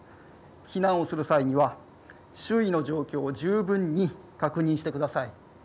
避難をする際には周囲の状況を十分に確認してください。